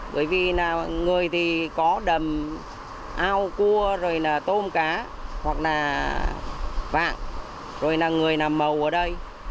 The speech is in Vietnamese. bởi vì là người thì có đầm ao cua rồi là tôm cá hoặc là vạng rồi là người làm màu ở đây